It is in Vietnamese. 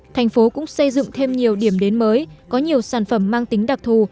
thành phố cũng xây dựng thêm nhiều điểm đến mới có nhiều sản phẩm mang tính đặc thù